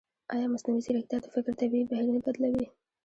ایا مصنوعي ځیرکتیا د فکر طبیعي بهیر نه بدلوي؟